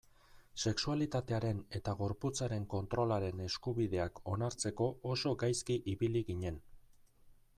Sexualitatearen eta gorputzaren kontrolaren eskubideak onartzeko oso gaizki ibili ginen.